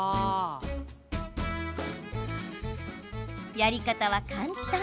やり方は簡単。